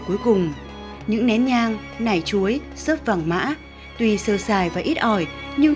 cuối cùng những nén nhang nải chuối xốp vàng mã tuỳ sơ xài và ít ỏi nhưng